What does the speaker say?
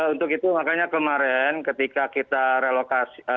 untuk itu makanya kemarin ketika kita relokasi